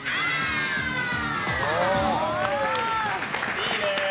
いいね！